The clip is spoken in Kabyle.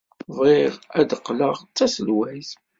Bɣiɣ ad qqleɣ d taselwayt.